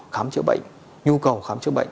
khám chữa bệnh nhu cầu khám chữa bệnh